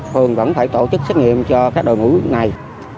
phường vẫn phải tổ chức xét nghiệm cho các đội ngũ này